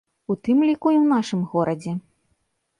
У тым ліку і ў нашым горадзе.